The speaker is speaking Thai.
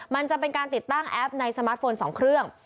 มันจะเป็นการติดตั้งแอปในสมาร์ทโฟน๒เครื่อง